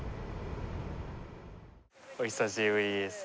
お久しぶりです。